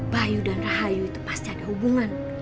bayu dan rahayu itu pasti ada hubungan